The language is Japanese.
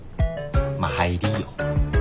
まあ入りぃよ。